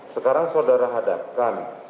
sekarang saudara hadapkan